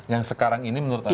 yang sekarang ini menurut anda